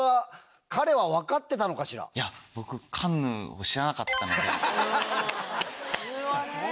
いや僕カンヌを知らなかったので。